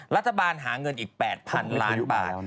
รัฐบาลหาเงินอีก๘๐๐๐ล้านบาท